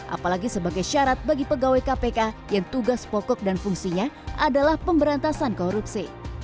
apalagi sebagai syarat bagi pegawai kpk yang tugas pokok dan fungsinya adalah pemberantasan korupsi